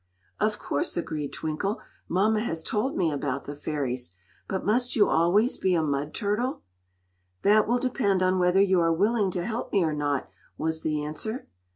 "Of course!" agreed Twinkle. "Mama has told me about the fairies. But must you always be a mud turtle?" "That will depend on whether you are willing to help me or not," was the answer.